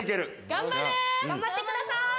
頑張れ！頑張ってください！